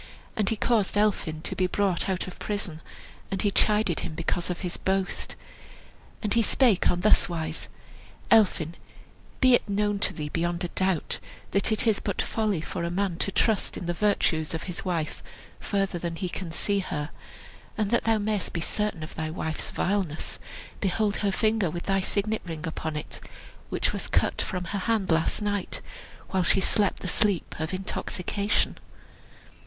And he caused Elphin to be brought out of prison, and he chided him because of his boast. And he spake on this wise: "Elphin, be it known to thee beyond a doubt, that it is but folly for a man to trust in the virtues of his wife further than he can see her; and that thou mayest be certain of thy wife's vileness, behold her finger, with thy signet ring upon it, which was cut from her hand last night, while she slept the sleep of intoxication."